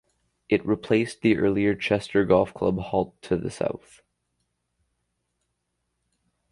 It replaced the earlier Chester Golf Club Halt to the south.